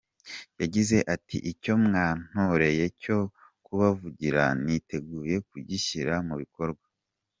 Yagize ati “Icyo mwantotereye cyo kubavugira niteguye kugishyira mu bikorwa.